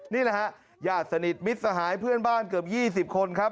นี่แหละฮะญาติสนิทมิตรสหายเพื่อนบ้านเกือบ๒๐คนครับ